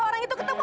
turun enggak kamu